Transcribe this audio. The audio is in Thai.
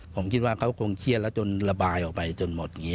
ผมคิดว่าเขากลงเชี่ยแล้วจนระบายออกไปจนหมด